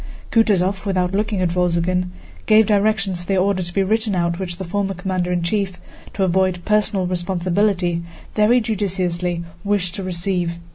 Kutúzov, without looking at Wolzogen, gave directions for the order to be written out which the former commander in chief, to avoid personal responsibility, very judiciously wished to receive.